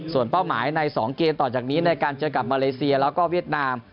ส่วนเป้าหมายใน๒เกมต่อจากนี้ในการเจอกับมาเลเซียแล้วก็เวียดนาม